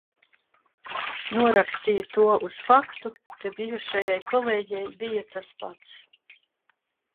Norakstīju to uz faktu, ka bijušajai kolēģei bija tas pats.